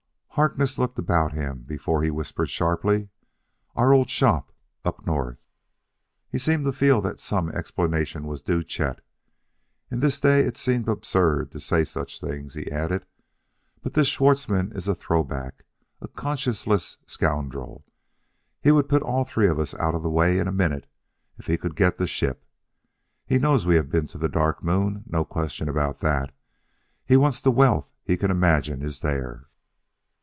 Harkness looked about him before he whispered sharply: "Our old shop up north!" He seemed to feel that some explanation was due Chet. "In this day it seems absurd to say such things," he added; "but this Schwartzmann is a throw back a conscienceless scoundrel. He would put all three of us out of the way in a minute if he could get the ship. He knows we have been to the Dark Moon no question about that and he wants the wealth he can imagine is there.